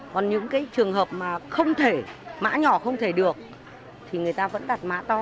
còn những cái trường hợp mà không thể mã nhỏ không thể được thì người ta vẫn đặt mã to